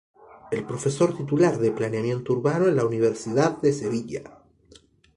Es profesor titular de Planteamiento Urbano en la Universidad de Sevilla.